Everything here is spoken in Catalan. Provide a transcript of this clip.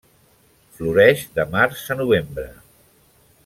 Floreix de març a novembre.